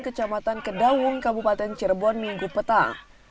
kecamatan kedawung kabupaten cirebon minggu petang